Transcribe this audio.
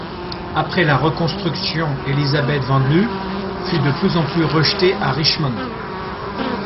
Après la Reconstruction, Elizabeth Van Lew fut de plus en plus rejetée à Richmond.